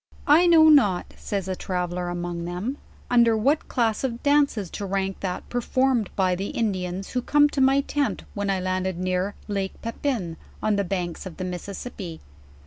I know not/ says a traveller among them, "under what .class of dances to rank that performed by the Indians who came to my tent when I landed near lake Pepin, on the banks of the Mississippi.